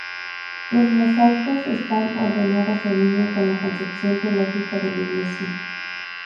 Los mosaicos están ordenados en línea con la concepción teológica de la iglesia.